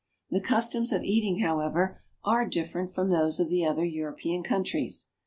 The customs of eating, however, are different from those of the other Euro pean countries.